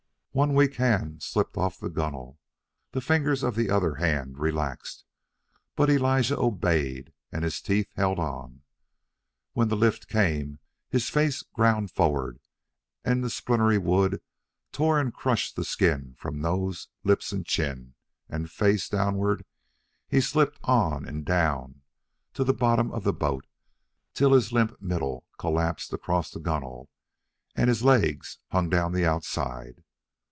One weak hand slipped off the gunwale, the fingers of the other hand relaxed, but Elijah obeyed, and his teeth held on. When the lift came, his face ground forward, and the splintery wood tore and crushed the skin from nose, lips, and chin; and, face downward, he slipped on and down to the bottom of the boat till his limp middle collapsed across the gunwale and his legs hung down outside.